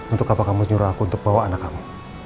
untuk apa kamu nyuruh aku untuk bawa anak kamu